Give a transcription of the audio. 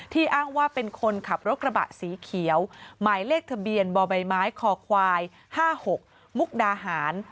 อ้างว่าเป็นคนขับรถกระบะสีเขียวหมายเลขทะเบียนบ่อใบไม้คอควาย๕๖มุกดาหาร